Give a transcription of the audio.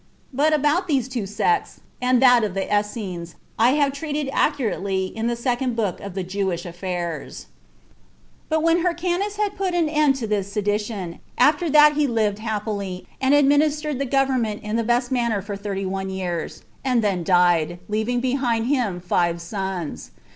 But about these two sects, and that of the Essens, I have treated accurately in the second book of Jewish affairs. 7. But when Hyrcanus had put an end to this sedition, he after that lived happily, and administered the government in the best manner for thirty one years, and then died, 30 leaving behind him five sons.